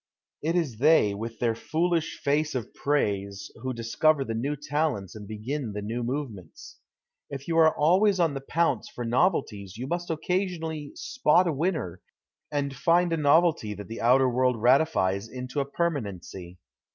It is they, with their foolish face of praise, who discover the new talents and begin the new movements. If you are always on the pounce for novelties you must occa sionally " spot a winner ' and lind a novelty that the outer world ratifies into a permanency.